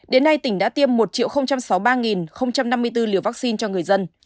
đến nay tỉnh đã tiêm một sáu mươi ba năm mươi bốn liều vaccine cho người dân